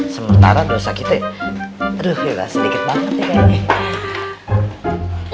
sementara dosa kita aduh ya allah sedikit banget ya kayaknya